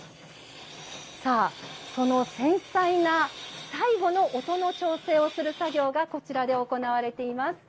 さあその繊細な最後の音の調整をする作業がこちらで行われています。